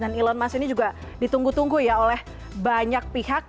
dan elon musk ini juga ditunggu tunggu ya oleh banyak pihak